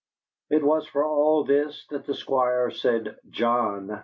It was for all this that the Squire said, "John!"